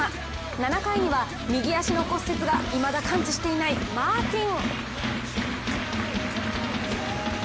７回には右足の骨折がいまだ完治していないマーティン。